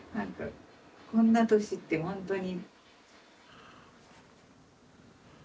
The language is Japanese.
こんな年ってほんとに。